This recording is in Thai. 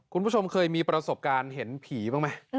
คุณผู้ชมเคยมีประสบการณ์เห็นผีบ้างไหม